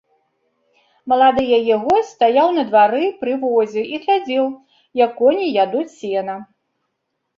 Малады яе госць стаяў на двары пры возе і глядзеў, як коні ядуць сена.